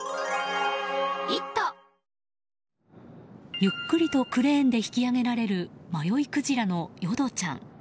ゆっくりとクレーンで引き上げられる迷いクジラの淀ちゃん。